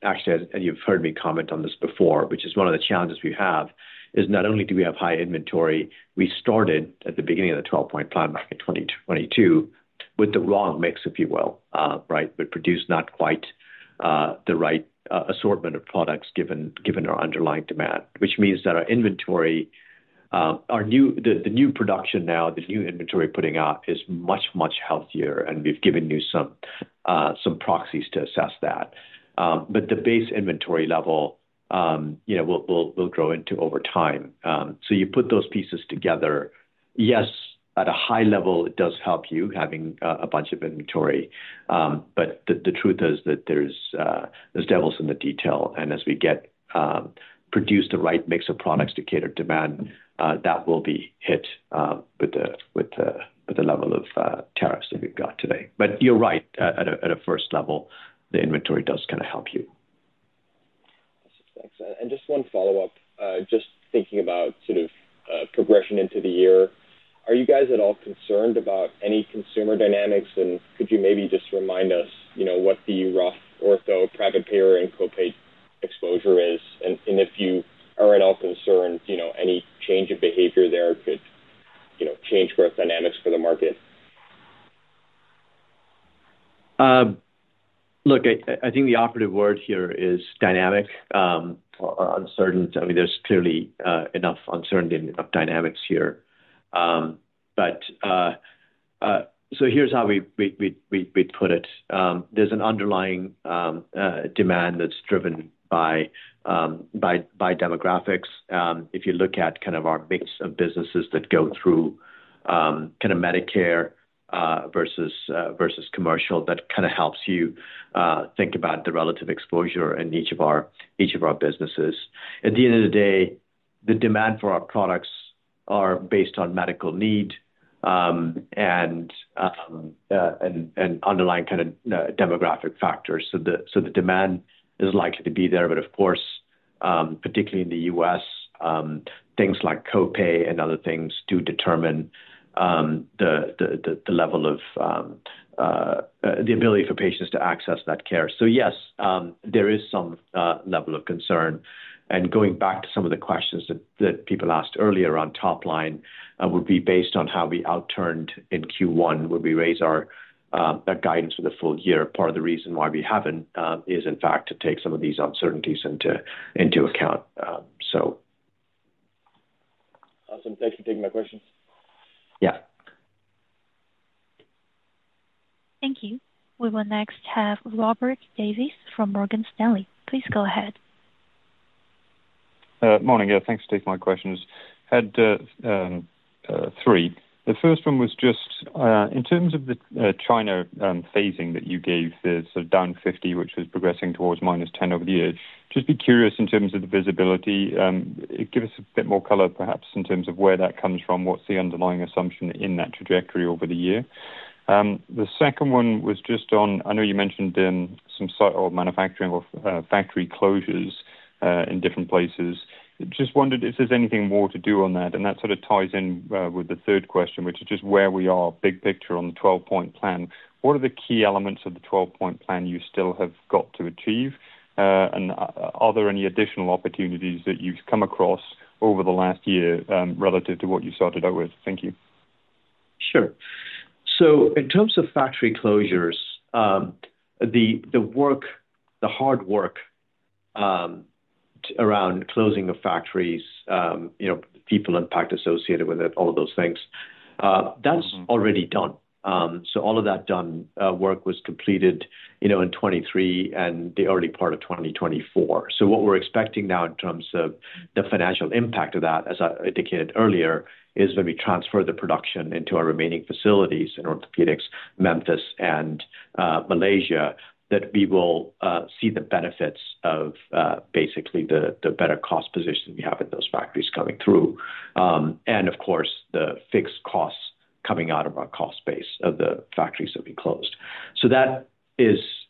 actually, and you have heard me comment on this before, which is one of the challenges we have, is not only do we have high inventory, we started at the beginning of the 12-point plan back in 2022 with the wrong mix, if you will, right, but produced not quite the right assortment of products given our underlying demand, which means that our inventory, the new production now, the new inventory putting out is much, much healthier. We have given you some proxies to assess that. The base inventory level will grow into over time. You put those pieces together. Yes, at a high level, it does help you having a bunch of inventory. The truth is that there's devils in the detail. As we get produced the right mix of products to cater demand, that will be hit with the level of tariffs that we've got today. You're right, at a first level, the inventory does kind of help you.
Excellent. Just one follow-up. Just thinking about sort of progression into the year, are you guys at all concerned about any consumer dynamics? Could you maybe just remind us what the rough ortho private payer and copay exposure is? If you are at all concerned, any change in behavior there could change growth dynamics for the market?
Look, I think the operative word here is dynamic. Uncertainty. I mean, there's clearly enough uncertainty and enough dynamics here. Here's how we'd put it. There's an underlying demand that's driven by demographics. If you look at kind of our mix of businesses that go through kind of Medicare versus commercial, that kind of helps you think about the relative exposure in each of our businesses. At the end of the day, the demand for our products is based on medical need and underlying kind of demographic factors. The demand is likely to be there. Of course, particularly in the US, things like copay and other things do determine the level of the ability for patients to access that care. Yes, there is some level of concern. Going back to some of the questions that people asked earlier on top line would be based on how we outturned in Q1 when we raised our guidance for the full year. Part of the reason why we haven't is, in fact, to take some of these uncertainties into account.
Awesome. Thanks for taking my questions.
Yeah.
Thank you. We will next have Robert Davies from Morgan Stanley. Please go ahead.
Morning. Yeah. Thanks for taking my questions. I had three. The first one was just in terms of the China phasing that you gave, the sort of down 50, which was progressing towards minus 10 over the year, just be curious in terms of the visibility. Give us a bit more color, perhaps, in terms of where that comes from. What's the underlying assumption in that trajectory over the year? The second one was just on, I know you mentioned some manufacturing or factory closures in different places. Just wondered if there's anything more to do on that. That sort of ties in with the third question, which is just where we are big picture on the 12-point plan. What are the key elements of the 12-point plan you still have got to achieve? Are there any additional opportunities that you've come across over the last year relative to what you started out with? Thank you.
Sure. In terms of factory closures, the work, the hard work around closing the factories, people impact associated with it, all of those things, that's already done. All of that done work was completed in 2023 and the early part of 2024. What we're expecting now in terms of the financial impact of that, as I indicated earlier, is when we transfer the production into our remaining facilities in orthopedics, Memphis, and Malaysia, that we will see the benefits of basically the better cost position we have at those factories coming through. Of course, the fixed costs coming out of our cost base of the factories that we closed.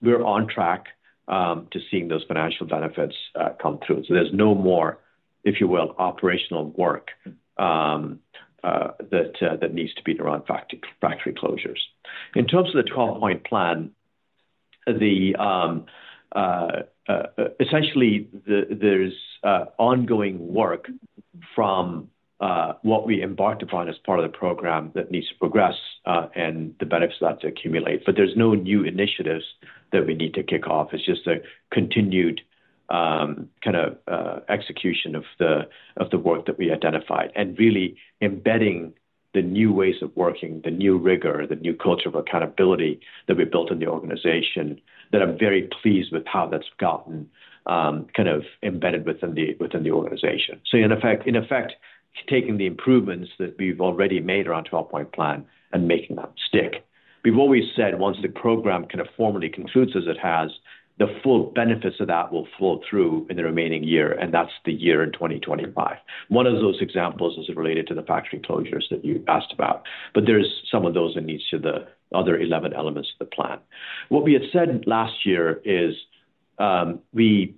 We're on track to seeing those financial benefits come through. There's no more, if you will, operational work that needs to be done around factory closures. In terms of the 12-point plan, essentially, there's ongoing work from what we embarked upon as part of the program that needs to progress and the benefits of that to accumulate. There are no new initiatives that we need to kick off. It's just a continued kind of execution of the work that we identified and really embedding the new ways of working, the new rigor, the new culture of accountability that we built in the organization that I'm very pleased with how that's gotten kind of embedded within the organization. In effect, taking the improvements that we've already made around 12-point plan and making them stick. Before we said once the program kind of formally concludes as it has, the full benefits of that will flow through in the remaining year. That is the year in 2025. One of those examples is related to the factory closures that you asked about. There are some of those in each of the other 11 elements of the plan. What we had said last year is we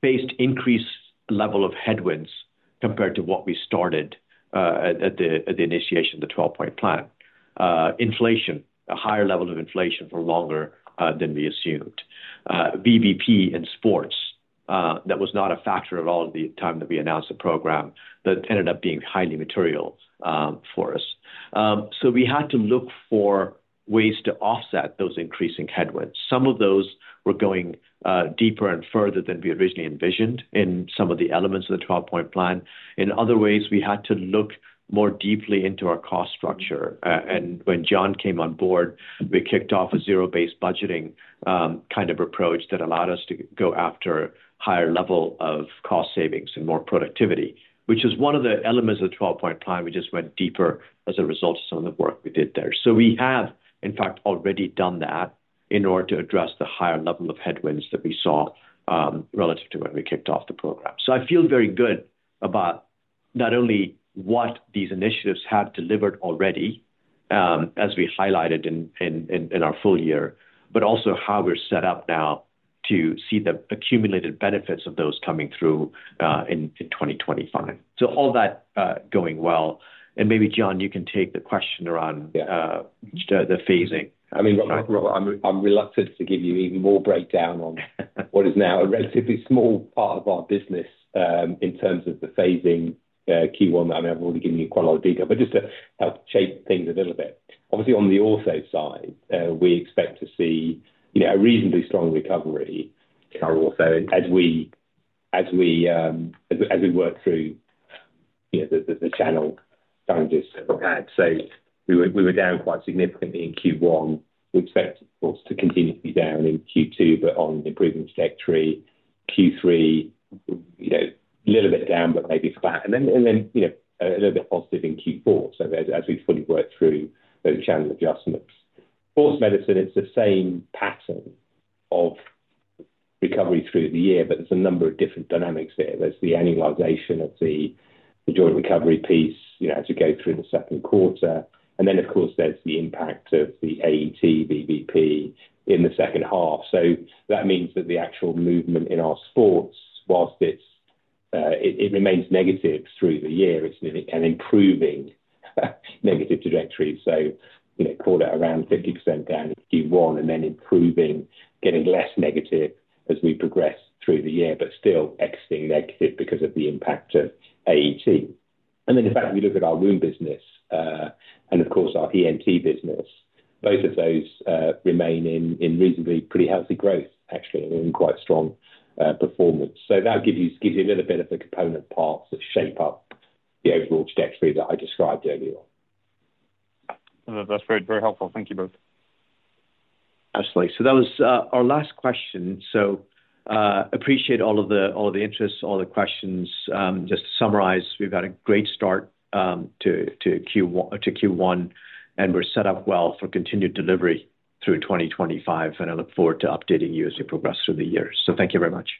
faced increased level of headwinds compared to what we started at the initiation of the 12-point plan. Inflation, a higher level of inflation for longer than we assumed. BBP and sports, that was not a factor at all at the time that we announced the program, that ended up being highly material for us. We had to look for ways to offset those increasing headwinds. Some of those were going deeper and further than we originally envisioned in some of the elements of the 12-point plan. In other ways, we had to look more deeply into our cost structure. When John came on board, we kicked off a zero-based budgeting kind of approach that allowed us to go after a higher level of cost savings and more productivity, which is one of the elements of the 12-point plan. We just went deeper as a result of some of the work we did there. We have, in fact, already done that in order to address the higher level of headwinds that we saw relative to when we kicked off the program. I feel very good about not only what these initiatives have delivered already, as we highlighted in our full year, but also how we're set up now to see the accumulated benefits of those coming through in 2025. All that going well. Maybe, John, you can take the question around the phasing.
I mean, I'm reluctant to give you even more breakdown on what is now a relatively small part of our business in terms of the phasing Q1. I mean, I've already given you quite a lot of detail, but just to help shape things a little bit. Obviously, on the ortho side, we expect to see a reasonably strong recovery in our ortho as we work through the channel challenges that we've had. We were down quite significantly in Q1. We expect, of course, to continue to be down in Q2, but on improving trajectory. Q3, a little bit down, but maybe flat. A little bit positive in Q4. As we fully work through those channel adjustments. Sports medicine, it's the same pattern of recovery through the year, but there's a number of different dynamics there. There's the annualization of the joint recovery piece as we go through the second quarter. Of course, there's the impact of the AET, BBP in the second half. That means that the actual movement in our sports, whilst it remains negative through the year, it's an improving negative trajectory. Call it around 50% down in Q1 and then improving, getting less negative as we progress through the year, but still exiting negative because of the impact of AET. In fact, if you look at our wound business and, of course, our ENT business, both of those remain in reasonably pretty healthy growth, actually, and in quite strong performance. That gives you a little bit of the component parts that shape up the overall trajectory that I described earlier.
That's very helpful. Thank you both.
Absolutely. That was our last question. I appreciate all of the interest, all the questions. Just to summarize, we've had a great start to Q1, and we're set up well for continued delivery through 2025. I look forward to updating you as we progress through the year. Thank you very much.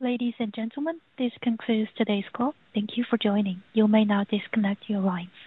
Ladies and gentlemen, this concludes today's call. Thank you for joining. You may now disconnect your lines.